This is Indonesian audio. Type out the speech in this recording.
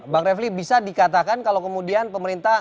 bang refli bisa dikatakan kalau kemudian pemerintah